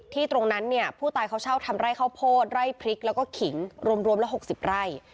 ตรงนั้นเนี่ยผู้ตายเขาเช่าทำไร่ข้าวโพดไร่พริกแล้วก็ขิงรวมละ๖๐ไร่